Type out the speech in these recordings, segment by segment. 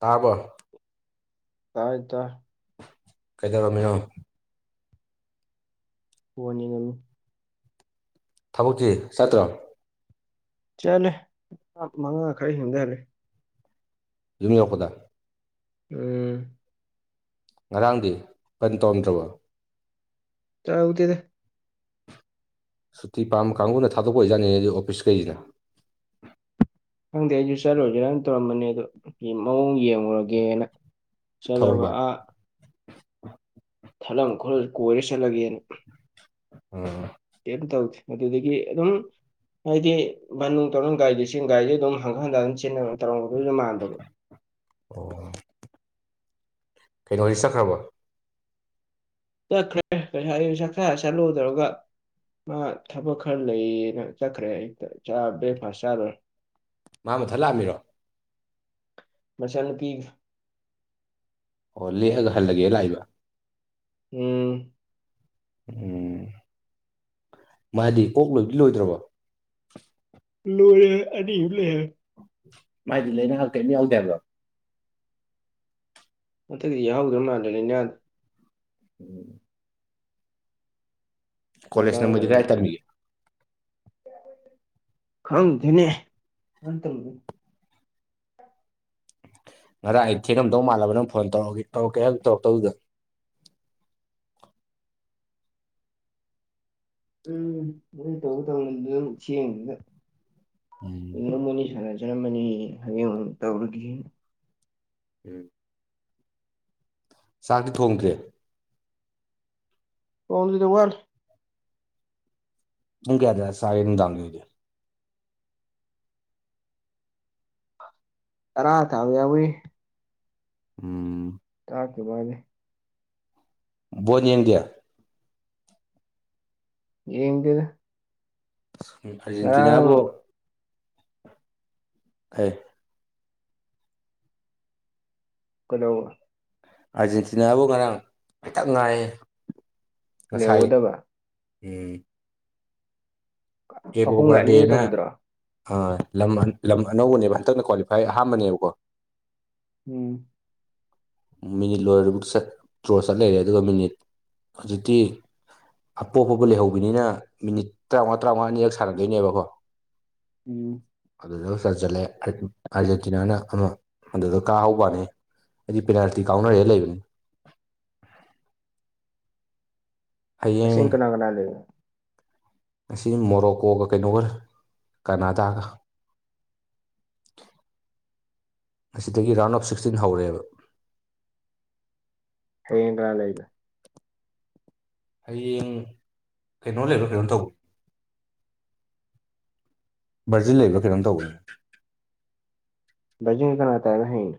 ꯇꯥꯕꯔꫭ ꯇꯥꯏ ꯇꯥꯏ ꯀꯩꯗꯧꯔꯝꯃꯤꯅꫭ ꯐꫭꯟ ꯌꯦꯡꯉꯝꯃꯤ ꯊꯕꯛꯇꯤ ꯆꯠꯇ꯭ꯔꫭ ꯆꯠꯂꯦ ꯃꯪꯉꯥ ꯃꯪꯉꯥ ꯈꯔ ꯍꯦꯟꯕꯗ ꯍꯜꯂꯛꯑꯦ ꯌꯨꯝ ꯌꯧꯔꯛꯄꯗꯥ ꯎꯝ ꯉꯔꯥꯡꯗꯤ ꯀꯟ ꯇꯧꯔꯝꯗ꯭ꯔꯕꫭ ꯇꯧꯗꯦꯗ ꯁꯨꯇꯤ ꯄꯥꯝꯕ ꯀꯥꯡꯕꯨꯅ ꯊꯥꯗꯣꯛꯄ ꯑꯣꯏꯖꯥꯠꯅꯤ ꯑꯣꯐꯤꯁ ꯀꯩꯖꯤꯅ ꯈꯪꯗꯦ ꯑꯩꯖꯨ ꯆꯠꯂꫭꯏꯖꯤꯔꯅ ꯇꯧꯔꯝꯕꯅꯦ ꯑꯗꯨ ꯃꯑꯣꯡ ꯌꯦꯡꯉꯨꯔꯒꯦꯅ ꯆꯠꯂꯕ ꯊꯧꯔꯕ ꯑꯥ ꯊꯠꯂꯝ ꯈꫭꯠꯂꯝꯃꯖꯨ ꯀꯣꯏꯔ ꯆꯠꯂꯒꯦꯅ ꯎꯝ ꯀꯩꯝ ꯇꯧꯗꯦ ꯃꯗꯨꯗꯒꯤ ꯑꯗꯨꯝ ꯍꯥꯏꯗꯤ ꯕꯟꯅꯨꯡ ꯇꯧꯔꯨꯡ ꯒꯥꯔꯤꯗꯤ ꯏꯁꯤꯡꯒꯥꯔꯤꯗꯤ ꯑꯗꯨꯝ ꯍꯪꯒꯠ ꯍꯟꯗ ꯆꯦꯟꯅꯕꯅꯤ ꯇꯧꯗꫭꯏꯖꯨ ꯃꯥꯟꯗꯕ ꯑꯣ ꯀꯩꯅꯣꯗꯤ ꯆꯠꯈ꯭ꯔꯕꫭ ꯆꯠꯈ꯭ꯔꯦ ꯉꯁꯥꯏ ꯑꯌꯨꯛ ꯆꯥꯛꯆꯥꯔ ꯆꯠꯂꫭ ꯇꯧꯔꯒ ꯃꯥ ꯊꯕꯛ ꯈꯔ ꯂꯩꯌꯦꯅ ꯆꯠꯈ꯭ꯔꯦ ꯑꯌꯨꯛꯇ ꯆꯥꯛ ꯕ꯭ꯔꯦꯛꯐꯥꯁ ꯆꯥꯂꫭꯏꯔꯦ ꯃꯥ ꯃꯊꯟ ꯂꯥꯛꯑꯝꯃꯤꯔꯣ ꯃꯆꯟꯅꯨꯄꯤꯒ ꯑꯣ ꯂꯦꯛꯑꯒ ꯍꯜꯂꯒꯦꯅ ꯂꯥꯛꯏꯕ ꯎꯝ ꯎꯝ ꯃꯥꯗꯤ ꯑꯣꯛ ꯂꯣꯏꯕꯗꯤ ꯂꯣꯏꯗ꯭ꯔꯕ ꯂꯣꯏꯔꯦ ꯑꯅꯤꯃꯨꯛ ꯂꯩꯍꯧꯋꯦ ꯃꯥꯏꯗꯤ ꯂꯩꯅ ꯀꯔꯤꯝ ꯌꯥꯎꯗꯦ ꯍꯥꯏꯕꯗꯣ ꯃꯊꯛꯇꯗꯤ ꯌꯥꯍꯧꯗ꯭ꯔꯕ ꯃꯥꯟꯗꯅꯦ ꯅꯍꯥꯟ ꯎꯝ ꯀꯣꯂꯦꯖꯅ ꯃ ꯀꯥꯏ ꯇꯔꯃꯤ ꯈꯪ ꯅꯦ ꯑꯇ ꯉꯔ ꯑꯩ ꯊꯦꯡꯉꯝꯗꯧ ꯃꯥꯜꯂꯕꯅꯪ ꯐꯣꯟ ꯇꯧꯔꯛꯒꯦ ꯇꯧ ꯀꯩ ꯇꯧꯔꯛꯇꯧꯗꯨꯗꯣ ꯎꯝ ꯃꯣꯏ ꯇꯧ ꯇꯧꯅꯤꯗꯨ ꯑꯗꯨꯝ ꯆꯦꯡꯅꯤꯗ ꯎꯝ ꯏꯣꯡꯃꯅꯤ ꯁꯥꯟꯅꯖꯔꯝꯃꯅꯤ ꯍꯌꯦꯡ ꯇꯧꯔꯨꯒꯦꯅ ꯎꯝ ꯆꯥꯛꯇꯤ ꯊꯣꯡꯈ꯭ꯔꯦ ꯀꯥꯎꯟꯁꯤꯗ ꯋꯥ ꯊꯨ ꯀꯌꯥꯗ ꯁꯥꯏ ꯥꯡ ꯂꯗ ꯑꯔ ꯊꯕꯤꯏ ꯎꯝ ꯀ ꯣꯠ ꯌꯦꯗꯌꯥ ꯌꯦꯗꯤꯗ ꯑꯔꯖꯦꯟꯇꯤꯅꯥꯕꯣ ꯑꯦ ꯀꯩꯅꯧ ꯑꯥꯔꯖꯦꯟꯇꯤꯅꯥꯕꯨ ꯉꯔꯥꯡ ꯈꯤꯇꯛ ꯉꯥꯏ ꯅꯦꯎꯗꯕ ꯍꯝ ꯀꯦꯞ ꯑꯍꯨꯝꯒ ꯑꯣꯕꯔ ꯑꯅꯤꯒ ꯗꯦꯅ ꯇꯧꯕꯗꯨꯔꯣ ꯑ ꯂꯝ ꯂꯝ ꯑꯅꯧꯕꯅꯦꯕ ꯍꯟꯇꯛꯅ ꯀ꯭ꯋꯥꯂꯤꯐꯥꯏ ꯑꯍꯥꯟꯕꯅꯦꯕꯀꯣ ꯎꯝ ꯃꯤꯅꯤꯠ ꯂꯣꯏꯔ ꯆꯠꯇ꯭ꯔꯣ ꯆꯠꯂꯔꯦ ꯑꯗꯨꯒ ꯃꯤꯅꯤꯠ ꯍꯧꯖꯤꯛꯇꯤ ꯑꯄꯣꯛꯄꯕꯨ ꯂꯩꯍꯧꯕꯤꯅꯤꯅ ꯃꯤꯅꯤꯠ ꯇꯔꯥꯃꯉꯥ ꯇꯔꯥꯃꯉꯥ ꯑꯅꯤꯔꯛ ꯁꯥꯟꯅꯗꯣꯏꯅꯦꯕꯀꯣ ꯎꯝ ꯑꯗꯨꯗ ꯆꯟꯜꯂꯦ ꯑꯥꯔꯖꯦꯟꯇꯤꯅꯥꯅ ꯑꯃ ꯑꯗꯨꯗ ꯀꯥꯍꯧꯕꯅꯤ ꯍꯥꯏꯗꯤ ꯄꯦꯅꯥꯜꯇꯤ ꯀꯥꯎꯅꯔꯦ ꯂꯩꯕꯅꯤ ꯑꯁꯤꯡ ꯀꯅꯥꯒꯅ ꯂꯩ ꯑꯁꯤ ꯃꯣꯔꯣꯀꯣꯒ ꯀꯩꯅꯣ ꯑꯣꯏꯔ ꯀꯅꯥꯗꯥꯒ [unintelligible] ꯑꯁꯤꯗꯒꯤ ꯔꯥꯎꯟ ꯑꯣꯞ ꯁꯤꯛꯁꯇꯤꯟ ꯍꯧꯔꯦꯕ ꯍꯌꯦꯡ ꯀꯥ ꯂꯩꯕ ꯍꯌꯦꯡ ꯀꯩꯅꯣ ꯂꯩꯔꯣ ꯀꯩꯅꯣ ꯇꯧꯕ ꯕꯔꯖꯤꯜ ꯂꯩꯕ ꯀꯩꯅꯣꯝ ꯇꯧꯕꯒꯦ ꯕꯖꯤꯡ ꯀꯅꯥ ꯇꯦ ꯍꯤꯟ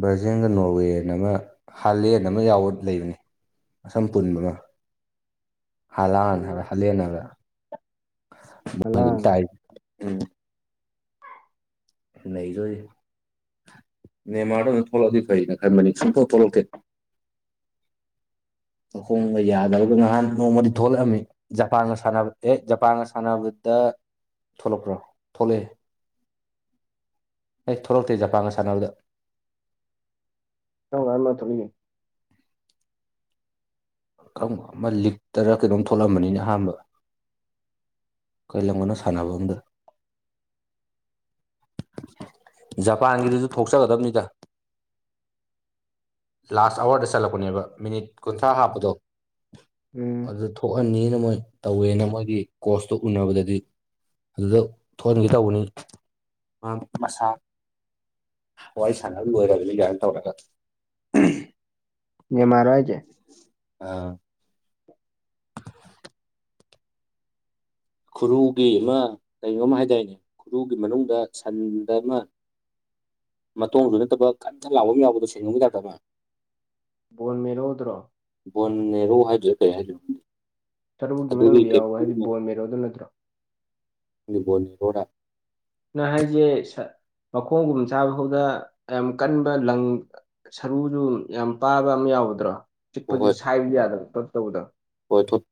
ꯕ꯭ꯔꯔꯖꯤꯜꯒ ꯅꯣꯔꯋꯦ ꯑꯃ ꯍꯥꯂꯦꯟ ꯑꯃ ꯌꯥꯎꯕ ꯂꯩꯕꯅꯤ ꯑꯁꯝ ꯄꯨꯟꯕꯒ ꯍꯂ ꯎꯝ ꯍꯥꯏꯕ ꯍꯥꯂꯦꯟ ꯍꯥꯏꯕ ꯃ ꯍꯂꯥꯟ ꯇ ꯎ ꯅꯁꯨꯏ ꯃꯦꯟꯃꯥꯔꯗ ꯑꯣꯏꯅ ꯊꯣꯛꯂꯛꯗꯤ ꯐꯩꯅ ꯈꯟꯕꯅꯤ ꯁꯨꯝꯊ ꯊꯣꯛꯂꯛꯀꯦ [unintelligible] ꯑꯍꯣꯡꯕ ꯌꯥꯗꯕꯒ ꯅꯍꯥꯟ ꯅꯣꯡꯃꯗꯤ ꯊꯣꯛꯂꯛꯑꯝꯃꯤ ꯖꯄꯥꯟꯒ ꯁꯥꯟꯅꯕ ꯑꯦ ꯖꯄꯥꯟꯒ ꯁꯥꯟꯅꯕ ꯗ ꯊꯣꯛꯂꯛꯄ꯭ꯔꯣ ꯊꯣꯛꯂꯛꯑꯦ ꯑꯩ ꯊꯣꯛꯂꯛꯇꯦ ꯖꯄꯒꯁꯥꯟꯅꯕꯅꯕꯗ ꯑ ꯉꯃ ꯊꯂꯤꯒ ꯪ ꯑꯃ ꯂꯤꯛꯇꯔ ꯀꯩꯅꯣꯝ ꯊꯣꯛꯂꯝꯕꯅꯤꯅ ꯑꯍꯥꯟꯕ ꯀꯩ ꯂꯝꯒꯅ‌ꯣ ꯁꯥꯟꯅꯕꯝꯗ‌ꯣ ꯖꯄꯥꯟꯒꯤꯗꯨꯁꯨ ꯊꯣꯛꯆꯒꯗꯕꯅꯤꯗ ꯂꯥꯁ ꯑꯋꯥꯔꯗ ꯆꯠꯂꯛꯄꯅꯦꯕ ꯃꯤꯅꯤꯠ ꯀꯨꯟꯊ꯭ꯔꯥ ꯍꯥꯞꯄ ꯑꯗꯣ ꯎꯝ ꯑꯗꯨ ꯊꯣꯛꯍꯅꯤꯅ ꯃꯣꯏ ꯇꯧꯋꯦꯅ ꯃꯣꯏꯒꯤ ꯀꯣꯁꯇꯨ ꯎꯅꯕꯗꯗꯤ ꯑꯗꯨꯗ ꯊꯣꯛꯍꯟꯈꯤ ꯇꯧꯕꯅꯤ ꯃ ꯃꯁꯥ ꯋꯥꯏ ꯁꯥꯅꯕ ꯂ‌ꯣꯏꯔꯕꯅꯤ ꯒꯥꯏ ꯇꯧꯔꯒ ꯅ‌ꯦꯃꯥꯔ ꯔ‌ꯣ ꯍꯥꯏꯖ‌ꯦ ꯈꯨꯔꯨꯒꯤ ꯑꯃ ꯀꯩꯅꯣꯝ ꯍꯥꯏꯗꯥꯏꯅꯦ ꯈꯨꯔꯨꯒꯤ ꯃꯅꯨꯡꯗ ꯁꯟꯗ ꯑꯃ ꯃꯇꯣꯡꯗꯨ ꯅꯠꯇꯕ ꯀꯟ꯫ ꯀꯟ ꯂꯥꯎꯕ ꯑꯃ ꯌꯥꯎꯕꯗꯣ ꯁꯦꯡꯒꯝꯒꯤ ꯇꯥꯏꯞꯇ ꯑꯃ ꯕꯣꯟ ꯃꯦꯔ‌ꯣ ꯗꯨꯔꯣ ꯕ‌ꯣꯟ ꯃ‌ꯦꯔ‌ꯣ ꯍꯥꯏꯁꯤ ꯀꯩ ꯁꯥꯏꯗꯣꯏꯅ‌ꯣ ꯁꯔꯨ ꯃꯅꯨꯡꯗ ꯌꯥꯎꯕ ꯍꯥꯏꯗꯤ ꯕꯣꯟ ꯃꯦꯔꯣ ꯗꯨ ꯅꯠꯇ꯭ꯔꯣ ꯑꯗꯨ ꯕ‌ꯣꯟ ꯃ‌ꯦꯔ‌ꯣꯔ ꯅꯪ ꯍꯥꯏꯖꯦ ꯃꯈꯣꯡꯒꯨꯝ ꯆꯥꯕ ꯐꯥꯎꯗ ꯌꯥꯝ ꯀꯟꯕ ꯂꯪ ꯁꯔꯨꯁꯨ ꯌꯥꯝ ꯄꯥꯕ ꯑꯃ ꯌꯥꯎ ꯇꯧꯗ꯭ꯔꯣ ꯆꯤꯛꯄꯁꯤ ꯁꯥꯏꯕ ꯌꯥꯗꯕ ꯄꯛ ꯇꯧꯕꯗꯣ ꯑꯣꯏ ꯊ‌ꯣꯛ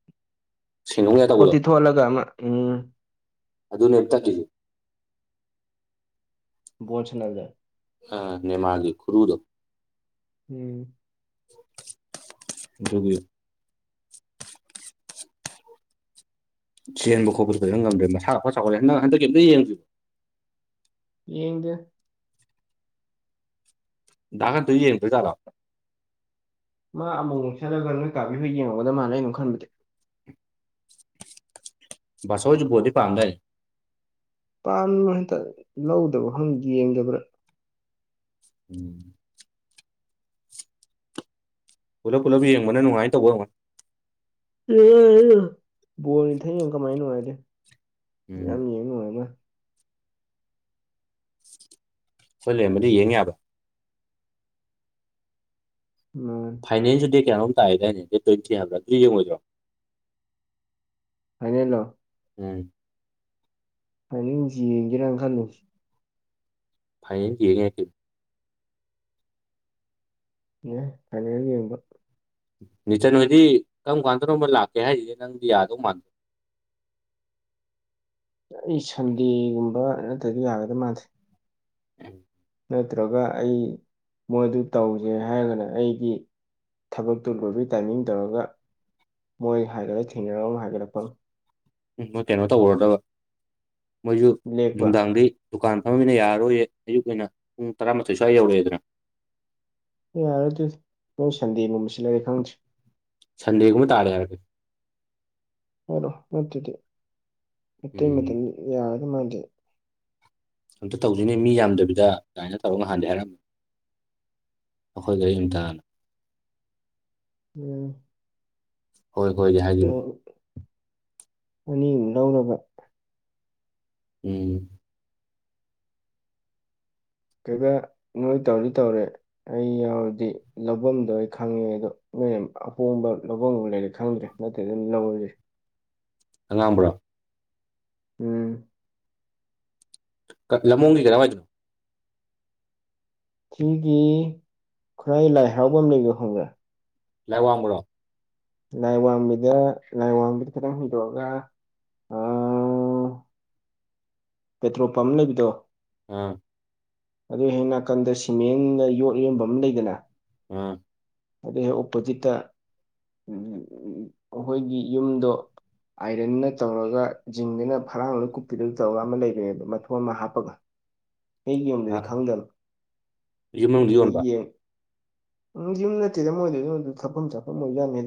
ꯁꯦꯡꯗꯣꯡꯒꯦ ꯇꯧꯕꯗꯣ ꯊꯣꯠꯇꯤ ꯊꯣꯠꯂꯒ ꯑꯃ ꯎꯝ ꯑꯗꯨꯅꯦꯝ ꯇꯛꯈꯤꯁꯤ ꯕ‌ꯣꯜ ꯁꯅꯥꯕꯗ‌ꯣ ꯅꯦꯃꯥꯔꯒꯤ ꯈꯨꯔꯨꯗꯣ ꯎꯝ ꯑꯗꯨꯒꯤ ꯆꯦꯟꯕ ꯈꯣꯠꯄꯁꯨ ꯀꯩꯝ ꯉꯝꯗ꯭ꯔꯦ ꯃꯁꯥ ꯐ ꯆꯥꯎꯈꯠꯂꯦ ꯍꯟꯗꯛ ꯍꯟꯗꯛ ꯀꯩꯝꯇ ꯌꯦꯡꯗꯔꯤ ꯌꯦꯡ ꯗ‌ꯦ [unintelligible] ꯌ‌ꯦꯡꯗ꯭ꯔ‌ ꯖꯥꯠꯂ‌ꯣ ꯃꯥ ꯑꯃꯨꯛ ꯑꯃꯨꯛꯁꯠꯂꯒ ꯅꯣꯏ ꯀꯥꯄꯤꯍꯣꯏ ꯌꯦꯡꯉꯒꯗ ꯃꯥꯜꯂꯤ ꯑꯩꯅꯝ ꯈꯟꯕꯗꯤ ꯕꯥ ꯁꯥꯏꯠꯁꯨ ꯕ‌ꯣꯜꯗꯤ ꯄꯥꯝꯗꯥꯏꯅ‌ꯦ ꯀꯥꯟ ꯍꯟꯇꯛ ꯂꯧꯗꯕ ꯈꯪ ꯌ‌ꯦꯡꯗꯕ꯭ꯔ ꯎꯝ ꯄꯨꯂꯞ ꯄꯨꯂꯞ ꯌꯦꯡꯕꯅ ꯅꯨꯡꯉꯥꯏ ꯇꯧꯕ ꯑ‌ꯣꯏ ꯕ‌ꯣꯜ ꯏꯊꯠ ꯌ‌ꯦꯡ ꯀꯃꯥꯏ ꯅꯨꯡꯉꯥꯏꯗꯨꯏꯝ ꯎꯝ ꯌꯥꯝ ꯌ‌ꯦꯡ ꯅꯨꯉꯥꯏꯅ ꯈ‌ꯣꯏ ꯂꯩꯔꯝꯃꯗꯤ ꯌꯦꯡ ꯌꯥꯕ ꯃꯥꯅꯤ ꯐꯥꯏꯅꯥꯟꯁꯤ ꯗꯦꯠ ꯀꯌꯥꯅꯣꯝ ꯇꯥꯏꯌ‌ꯦꯗꯥꯏꯅ‌ꯦ ꯗ‌ꯦꯠ ꯇꯋꯟꯇꯤ ꯍꯥꯏꯕ꯭ꯔ ꯑꯗꯨ ꯌ‌ꯦꯡꯉ‌ꯣꯏꯗ꯭ꯔ‌ꯣ ꯐꯥꯏꯅ‌ꯦꯜꯂꯣ ꯎꯝ ꯍꯥꯏꯅꯤꯡꯁꯤ ꯌꯦꯡꯒꯦꯔꯅ ꯈꯜꯂꯤꯅ ꯐꯥꯏꯟꯜ ꯌ‌ꯦꯡ ꯌꯥꯏ ꯀꯩꯟ ꯌꯥꯏ ꯐꯥꯏꯅ‌ꯦꯜ ꯌ‌ꯦꯡꯕ ꯅꯤꯆꯟ ꯍꯣꯏꯗꯤ ꯀꯔꯝ ꯀꯥꯟꯗꯅꯣꯝ ꯂꯥꯛꯀꯦ ꯍꯥꯏꯔꯤꯌ‌ꯦ ꯅꯪꯗꯤ ꯌꯥꯗꯧ ꯃꯥꯟꯗꯣ [unintelligible] ꯑꯩ ꯁꯟꯗꯦꯒꯨꯝꯕ ꯅꯠꯇꯗꯤ ꯌꯥꯒꯗ ꯃꯥꯟꯗꯦ [inaudible] ꯅꯠꯇ꯭ꯔꯒ ꯑꯩ ꯃꯣꯏꯗꯨ ꯇꯧꯁꯦ ꯍꯥꯏꯔꯒꯅ ꯑꯩꯒꯤ ꯊꯕꯛꯇꯨ ꯂꯣꯏꯕꯒꯤ ꯇꯥꯏꯃꯤꯡ ꯇꯧꯔꯒ ꯃꯣꯏ ꯍꯥꯏꯒꯠꯂꯒ ꯊꯦꯡꯅꯔ ꯍꯥꯏꯒꯠꯂꯛꯄ ꯎꯝ ꯃꯣꯏ ꯀꯩꯅꯣ ꯇꯧꯔꯔꯗꯕ ꯃꯣꯏꯁꯨ ꯂꯦꯛꯄ ꯅꯨꯡꯗꯥꯡꯗꯤ ꯗꯨꯀꯥꯟ ꯐꯝꯃꯤꯅ ꯌꯥꯔꯔꯣꯏꯌꯦ ꯑꯌꯨꯛ ꯑꯣꯏꯅ ꯄꯨꯡ ꯇꯔꯥꯃꯥꯊꯣꯏ ꯁ꯭ꯋꯥꯏ ꯌꯧꯔꯛꯑꯦꯗꯅ ꯌꯥꯔꯗꯤ ꯅꯣꯏ ꯁꯟꯗꯦ ꯒꯨꯝꯕ ꯁꯤꯜꯂꯗꯤ ꯈꯪꯗ꯭ꯔ‌ꯦ ꯁꯟꯗꯦ ꯀꯕ ꯇꯥꯔꯌꯥꯔꯒ ꯑꯔꯣ ꯃꯗꯤ ꯃ ꯎꯝ ꯌꯥꯎꯗ ꯃꯥꯗꯦ ꯑꯝꯇ ꯇꯧꯗꯣꯏꯅꯦ ꯃꯤ ꯌꯥꯝꯗꯕꯤꯗ ꯑꯗꯨꯃꯥꯏꯅ ꯇꯧꯔꯒ ꯉꯍꯥꯟꯗꯦ ꯍꯥꯏꯔꯝꯃ ꯑꯩꯈꯣꯏꯗ ꯏꯝꯇꯅ ꯎꯝ ꯍꯣꯏ ꯍꯣꯏꯒꯤ ꯍꯥꯏꯖꯈꯤꯕ ꯑꯅꯤꯃꯨꯨꯝꯛ ꯂꯧꯅꯕ ꯎꯝ ꯀꯩꯀ ꯅꯣꯏ ꯇꯧꯔꯤ ꯇꯧꯔꯦ ꯑꯩ ꯌꯥꯎꯔꯗꯤ ꯂꯐꯝꯗꯣ ꯑꯩ ꯈꯪꯉꯦ ꯑꯗꯣ ꯅꯣꯏ ꯑꯄꯣꯝꯕ ꯂꯐꯝ ꯂꯩꯔꯦ ꯈꯪꯗ꯭ꯔꯦ ꯅꯠꯇꯦ ꯑꯗꯨꯝ ꯂꯧꯔꯁꯦ ꯑꯉꯥꯡꯝꯕ꯭ꯔꯣ ꯎꯝ ꯂꯃꯣꯡꯒꯤ ꯀꯔꯃꯖꯅ ꯊꯤꯒꯤ ꯈꯨꯔꯥꯏ ꯂꯥꯏꯍꯥꯎꯕꯝ ꯂꯩ ꯍꯣꯡꯒꯦ ꯂꯩꯦ ꯋꯥ ꯑꯃꯔꯣ ꯂꯥꯏ ꯋꯥꯡꯕꯤꯗ ꯂꯥꯏ ꯋꯥꯡꯕꯤꯗ ꯈꯤꯇꯪ ꯍꯨꯗꯣꯛꯑꯒ ꯑ [inaudible] ꯄꯦꯇ꯭ꯔꯣꯜ ꯄꯝ ꯂꯩꯕꯤꯗꯣ ꯑꯥ ꯑꯗꯨ ꯍꯦꯛ ꯅꯥꯀꯟꯗ ꯁꯤꯃꯦꯟꯗ ꯌꯣꯠ ꯌꯣꯟꯕ ꯑꯃ ꯂꯩꯗꯅ ꯑꯝ ꯑꯗꯩ ꯍꯦꯛ ꯑꯣꯄꯣꯖꯤꯠꯇ ꯑꯩꯈꯣꯏꯒꯤ ꯌꯨꯝꯗꯣ ꯑꯥꯏꯔꯟꯅ ꯇꯧꯔꯒ ꯖꯤꯡꯗꯨꯅ ꯐꯔꯥꯡꯅ ꯀꯨꯞꯄꯤꯔꯒ ꯇꯧꯔꯒ ꯑꯃ ꯂꯩꯕꯅꯦꯕ ꯃꯊꯣꯟ ꯑꯃ ꯍꯥꯞꯄꯒ ꯑꯩꯒꯤ ꯌꯨꯝꯗꯗꯤ ꯑꯥ ꯈꯪꯗꯅ ꯌꯨꯝ ꯃꯅꯨꯡꯗ ꯑꯗꯨꯗ ꯌꯣꯟꯕ ꯌꯦꯡ ꯎꯝ ꯌ ꯅꯗꯣꯏꯗ ꯊꯐꯝ ꯆ ꯑꯣꯏ ꯌꯥꯅꯤ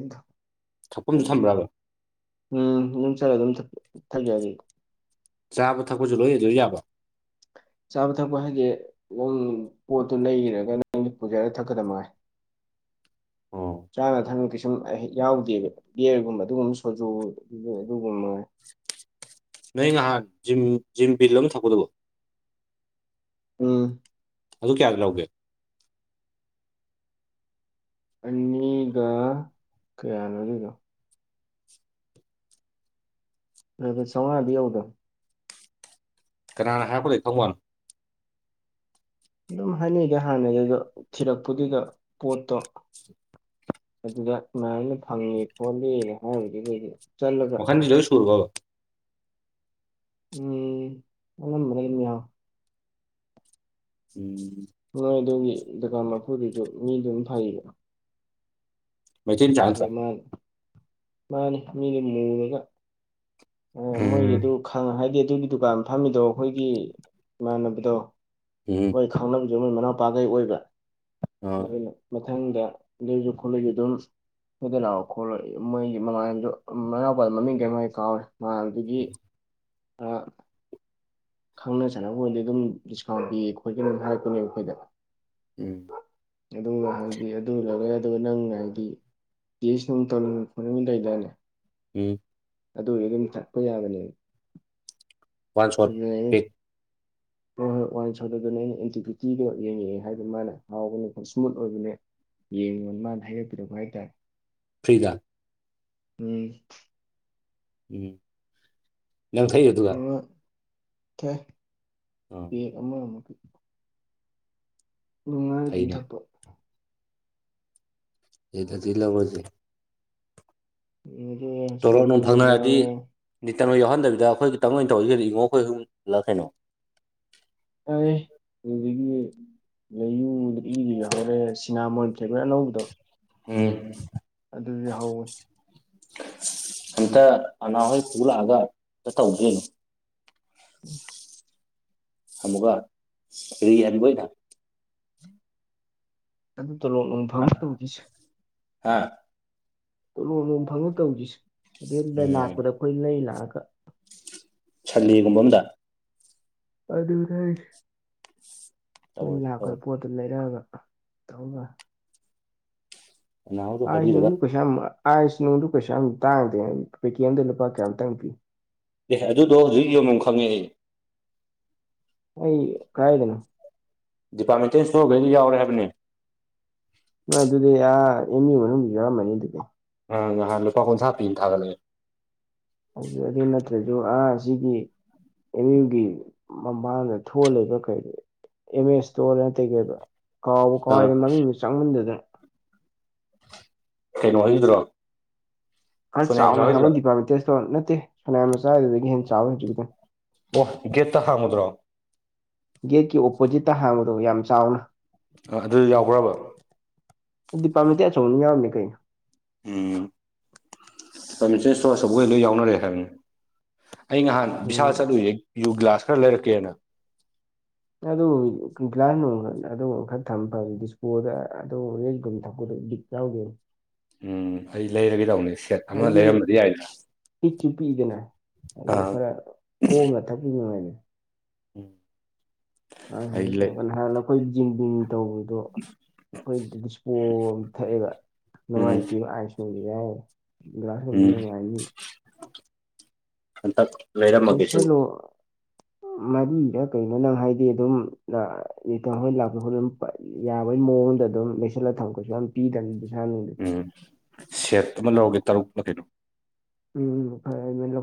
ꯊꯛꯐꯝꯁꯨ ꯊꯝꯕ꯭ꯔꯕ ꯎꯝ ꯑꯗꯨꯝ ꯆꯠꯂꯒ ꯑꯗꯨꯝ ꯊꯛꯖꯒꯦ ꯆꯥꯕ ꯊꯛꯄꯁꯨ ꯂꯣꯏꯗꯣꯏ ꯌꯥꯕ ꯆꯥꯕ ꯊꯛꯄ ꯍꯥꯏꯗꯤꯦ ꯅꯪ ꯄꯣꯠꯇꯨ ꯂꯩꯔꯒ ꯅꯪ ꯂꯤꯠꯄꯁꯔ ꯊꯛꯀꯗ ꯃꯥꯏ ꯑꯣ ꯆꯥꯅ ꯊꯛꯅꯕ ꯀꯩꯁꯨꯝ ꯑꯩ ꯍꯦꯛ ꯌꯥꯎꯗꯦꯕ ꯒꯌꯔꯒꯨꯝꯕ ꯑꯗꯨꯒꯨꯝꯕ ꯁꯣꯖꯨ ꯑꯗꯨꯒꯨꯝꯕ ꯅꯪ ꯉꯍꯥꯟ ꯖꯤꯝ ꯕꯤꯜ ꯑꯃ ꯊꯛꯀꯗꯧꯕ ꯎꯝ ꯑꯗꯨ ꯀꯌꯥ ꯂꯧꯒꯦ ꯑꯅꯤꯒ ꯀꯌꯥꯅꯣꯔꯤꯅꯣ ꯑ ꯁꯉꯥꯏꯕꯤ ꯌꯥꯎꯗ ꯀꯅꯥꯅ ꯍꯥꯏꯕ ꯂꯩ ꯊꯧꯕꯥꯜ ꯑꯗꯨꯝ ꯍꯥꯏꯅꯩꯗ ꯍꯥꯟꯅꯗ ꯑꯗꯣ ꯊꯤꯔꯛꯄꯗꯨꯒ ꯄꯣꯠꯇꯣ ꯑꯗꯨꯗ ꯀꯃꯥꯏꯅ ꯐꯪꯉꯦ ꯈꯣꯠꯂꯦꯅ ꯍꯥꯏꯔꯤꯁꯦ ꯀꯩꯗꯨꯗ ꯑꯣꯈꯥꯟꯗꯤꯁꯨ ꯁꯨꯔꯕ ꯎꯝ ꯃꯔꯃꯌꯥ ꯎꯝ ꯃꯣꯏ ꯑꯗꯨꯒꯤ ꯗꯨꯀꯥꯟ ꯃꯐꯨꯗꯨꯁꯨ ꯃꯤꯗꯨꯝ ꯐꯩꯌꯦꯕ ꯃꯆ ꯆꯁ ꯃꯥꯅꯤ ꯃꯤꯗꯨ ꯃꯨꯔꯒ ꯎꯝ ꯃꯣꯏꯒꯤꯗꯨ ꯈꯪꯉ ꯍꯥꯏꯗꯤ ꯑꯗꯨꯒꯤ ꯗꯨꯀꯥꯟ ꯐꯝꯃꯤꯗꯣ ꯑꯩꯈꯣꯏꯒꯤ ꯏꯃꯥꯟꯅꯕꯗꯣ ꯎꯝ ꯃꯣꯏ ꯈꯥꯎꯅ ꯃꯣꯏ ꯃꯅꯥꯎꯄꯥꯈꯩ ꯑꯣꯏꯕ ꯑꯥ ꯑꯩꯈꯣꯏꯅ ꯃꯊꯪꯗ ꯂꯩꯁꯨ ꯈꯣꯠꯂꯛꯁꯨ ꯑꯗꯨꯝ ꯊꯣꯏꯗ ꯂꯥꯛꯑꯣ ꯈꯣꯠꯂꯣ ꯃꯣꯏꯒꯤ ꯃꯃꯥꯟꯁꯨ ꯃꯎꯄꯥꯗ ꯃꯃꯤꯡ ꯀꯌꯥꯃ ꯀꯥꯎꯔꯦ ꯃꯥꯜꯗꯒꯤ ꯈꯪꯅ ꯆꯥꯟꯅꯕꯔꯗꯤ ꯑꯗꯨꯝ ꯗꯤꯁꯀꯥꯎꯟ ꯄꯤꯌꯦ ꯈꯣꯠꯀꯦꯅꯝ ꯍꯥꯏꯔꯛꯄꯅꯦꯕ ꯑꯩꯈꯣꯏꯗ ꯎꯝ ꯑꯗꯨꯒ ꯍꯥꯏꯗꯤ ꯑꯗꯨ ꯂꯧꯔꯦ ꯑꯗꯨꯒ ꯅꯪ ꯍꯥꯏꯗꯤ [unintelligible] ꯎꯝ [unintelligible] ꯋꯥꯟ ꯁꯣꯠ [unintelligible] [inaudible] ꯋꯥꯟ [unintelligible] ꯍꯥꯏꯕꯗ ꯃꯥꯅ ꯍꯥꯎꯕꯅꯦ ꯏꯁꯃꯨꯠ ꯑꯣꯏꯕꯅꯦ ꯌꯦꯡꯉꯣ ꯃꯥꯅꯥ [unintelligible] ꯍꯥꯏꯇꯥꯏ ꯐ꯭ꯔꯤꯗꯥ ꯎꯝ ꯎꯝ ꯅꯪ ꯊꯛꯏ ꯑꯗꯨꯒ ꯀꯦ ꯑꯥ ꯄꯦꯛ ꯑꯃꯥ ꯑꯃꯨꯛ ꯅꯨꯡꯉꯥꯏ ꯑꯗꯨꯝ ꯐꯩꯅꯦ ꯊꯛꯄꯥ [unintelligible] ꯑꯗꯨꯒ ꯁꯣꯖꯨ ꯇꯂꯣꯞꯅꯨꯡ ꯐꯪꯅꯔꯥꯗꯤ ꯌꯥꯎꯔꯦ ꯀꯩꯅꯣ ꯌꯥꯎꯍꯟꯗꯕꯤꯗ ꯑꯩꯈꯣꯏ ꯈꯤꯇꯪ ꯑꯣꯏꯅ ꯇꯧꯔꯒꯗꯤ ꯏꯡꯉꯣ ꯑꯩꯈꯣꯏ ꯑꯍꯨꯝꯂꯥ ꯀꯩꯅꯣ ꯑꯗꯨꯗꯒꯤ [unintelligible] [unintelligible] ꯎꯝ ꯑꯗꯨꯁꯨ ꯌꯥꯎꯍꯧꯕꯅꯦ ꯑꯝꯇꯥ ꯑꯅꯥꯍꯣꯏ ꯄꯨꯂꯥꯛꯑꯒꯥ ꯑꯝꯇꯥ ꯇꯧꯗꯨꯏꯅꯦ ꯑꯃꯨꯛꯀꯥ ꯔꯤ ꯍꯟꯕ ꯑꯣꯏꯅꯥ ꯑꯗꯨ ꯇꯂꯣꯞ ꯅꯨꯡ ꯐꯪꯉꯥ ꯇꯧꯒꯤꯁꯦ ꯍꯥ [unintelligible] ꯎꯝ ꯂꯥꯛꯄꯗꯥ [unintelligible] ꯂꯩ ꯂꯥꯛꯑꯒꯥ ꯁꯟꯗꯦꯒꯨꯝꯕ ꯑꯃꯥꯗ ꯑꯗꯨꯗ [unintelligible] ꯑꯩꯈꯣꯏꯅ ꯇꯧꯔꯁꯤ ꯂꯥꯛꯄꯗꯥ ꯇꯧꯔꯁꯤ ꯄꯣꯠꯇꯣ ꯂꯩꯔꯛꯑꯒꯥ [unintelligible] ꯑꯅꯥꯍꯣꯏꯗꯣ [unintelligible] ꯍꯥꯏꯕꯤꯔꯒ ꯑꯥꯏꯁ ꯅꯨꯡꯗꯨ ꯄꯩꯁꯥ ꯌꯥꯝ ꯇꯥꯡꯗꯦ ꯄꯦꯀꯦꯠ ꯑꯃꯥꯗ ꯂꯨꯄꯥ ꯀꯌꯥꯇꯪ ꯄꯤ ꯑꯦ ꯑꯗꯨꯗꯣ ꯍꯧꯖꯤꯛ ꯌꯣꯟꯐꯝ ꯈꯪꯉꯦ ꯑꯩ ꯑꯩ ꯀꯗꯥꯏꯗꯅꯣ ꯗꯤꯄꯥꯔꯠꯃꯦꯟꯇꯦꯜ ꯏꯁꯇꯣꯔꯈꯩꯗꯥ ꯌꯥꯎꯔꯦ ꯍꯥꯏꯕꯅꯦ ꯑꯥꯏ ꯑꯗꯨꯗꯤ ꯑꯥ ꯑꯦꯝ ꯌꯨ ꯃꯅꯨꯡꯗꯥ ꯌꯥꯎꯔꯝꯃꯅꯤ ꯑꯗꯨꯗꯤ ꯑꯪ ꯅꯍꯥꯟ ꯂꯨꯄꯥ ꯀꯨꯟꯊ꯭ꯔꯥ ꯄꯤ ꯊꯥꯒꯠꯂꯛꯑꯦ ꯑꯗꯨ ꯑꯗꯨ ꯅꯠꯇ꯭ꯔꯁꯨ ꯑꯥ ꯑꯁꯤꯒꯤ ꯑꯦꯝ ꯌꯨꯒꯤ ꯃꯃꯥꯡꯗ ꯊꯣꯛꯑꯒꯥ ꯂꯩꯕꯥ ꯀꯩ ꯑꯦꯝ ꯌꯨ ꯏꯁꯇꯣꯔ [unintelligible] ꯀꯩꯕ ꯀꯥꯎꯕꯨ ꯑꯥ ꯀꯥꯎꯔꯦ ꯃꯃꯤꯡꯗꯣ ꯆꯪꯃꯟꯗꯥꯗꯥꯅ ꯀꯩꯅꯣ ꯍꯣꯏꯒꯤꯗꯨꯔꯣ ꯈꯔ ꯁꯣꯅꯤꯌꯥꯝꯆꯥ ꯆꯥꯎꯅ ꯍꯥꯡꯕ ꯍꯣꯏꯒꯤꯗꯨꯔꯣ ꯗꯤꯄꯥꯔꯠꯃꯦꯟꯇꯦꯜ ꯏꯁꯇꯣꯔ ꯅꯠꯇꯦ ꯁꯅꯥꯌꯥꯝ ꯃꯆꯥ ꯑꯗꯨꯗꯒꯤ ꯍꯦꯟꯅ ꯆꯥꯎꯋꯦ ꯍꯧꯖꯤꯛꯀꯤꯗꯣ [unintelligible] ꯒꯦꯠꯇꯥ ꯍꯥꯡꯕꯗꯨꯔꯣ ꯒꯦꯠꯀꯤ ꯑꯣꯄꯣꯖꯤꯠꯇꯥ ꯍꯥꯡꯕꯗꯣ ꯌꯥꯝ ꯆꯥꯎꯅ ꯑꯥ ꯑꯗꯨ ꯌꯥꯎꯕ꯭ꯔꯥꯕꯥ ꯗꯤꯄꯥꯔꯠꯃꯦꯟꯇꯦꯜ ꯑꯆꯧꯕꯅꯤꯅꯥ ꯌꯥꯎꯔꯝꯅꯤ ꯀꯩꯅꯣ ꯎꯝ [unintelligible] ꯂꯣꯏ ꯌꯥꯎꯅꯔꯦ ꯍꯥꯏꯕꯅꯦ ꯑꯩ ꯅꯍꯥꯟ ꯕꯤꯁꯥꯜ ꯎꯝ ꯆꯠꯂꯨꯏꯌꯦ ꯌꯨ ꯒꯤꯂꯥꯁ ꯈꯔꯥ ꯂꯩꯔꯛꯀꯦꯅꯥ ꯑꯗꯨ ꯒ꯭ꯂꯥꯁ ꯅꯨꯡ ꯑꯗꯣ ꯈꯔ ꯊꯝ ꯐꯕꯅꯦ ꯗꯤꯁꯄꯣꯗꯥ [unintelligible] ꯌꯥꯎꯒꯦ ꯎꯝ ꯑꯩ ꯂꯩꯔꯒꯦ ꯇꯧꯅꯦ ꯁꯦꯠ ꯑꯃꯥ ꯍꯥꯏꯗꯤ ꯂꯩꯔꯝꯕꯗꯤ ꯌꯥꯏꯗꯅꯥ ꯄꯤꯛꯁꯨ ꯄꯤꯛꯏꯗꯅ ꯑꯗꯨ ꯈꯔ ꯀꯣꯝꯅ ꯊꯛꯈꯤꯕ ꯅꯨꯡꯉꯥꯏꯅꯦ ꯎꯝ ꯑ ꯍꯅ ꯍꯂꯣ ꯀꯣꯏꯖꯤꯕꯤ ꯇꯧꯕꯗꯣ ꯑꯩꯈꯣꯏ ꯗꯤꯁꯄꯣ ꯑꯃ ꯊꯛꯑꯦꯕ ꯎꯝ ꯅꯉꯥꯏꯇꯕ ꯑꯥꯏꯁꯒꯤ ꯌꯥ ꯭ꯂꯥꯁ ꯑꯟꯇ ꯂꯩꯔꯝꯃꯒꯁꯨ ꯃꯗꯨꯗ ꯀꯩꯅꯣ ꯅꯪ ꯍꯥꯏꯗꯤ ꯑꯗꯨꯝꯇꯟ ꯍꯣꯏ ꯂꯥꯛꯄ ꯈꯣꯠꯅ ꯌꯥꯕꯒꯤ ꯃꯑꯣꯡ ꯑꯗꯨꯝ ꯂꯩꯁꯤꯜꯂꯒ ꯊꯝꯒꯁꯨ ꯌꯥꯝ ꯄꯤꯗ ꯎꯝ ꯁꯦꯠ ꯑꯃ ꯂꯧꯔꯒꯦ ꯇꯔꯨꯛ ꯃꯈ ꯀꯩꯅꯣ ꯎꯝ ꯂꯧ